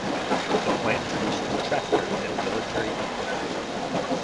The plant produces tractors and military equipment.